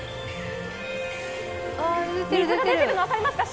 水が出ているの、分かりますか？